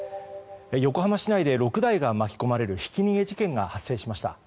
横浜市内で６台が巻き込まれるひき逃げ事件が発生しました。